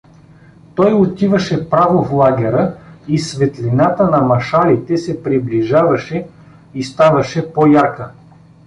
Той отиваше право в лагера и светлината на машалите се приближаваше и ставаше по-ярка.